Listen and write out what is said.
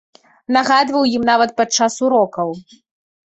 Нагадваў ім нават падчас урокаў.